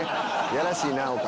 やらしいなお金。